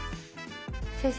先生。